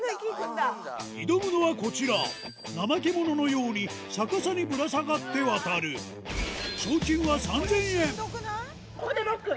挑むのはこちらナマケモノのように逆さにぶら下がって渡るこれでロック。